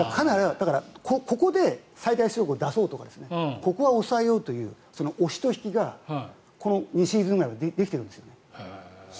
ここで最大出力を出そうとかここは抑えようという押しと引きがこの２シーズンくらいはできてるんですよね。